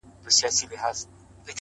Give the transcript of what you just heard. بېغمه!! غمه د هغې!! هغه چي بيا ياديږي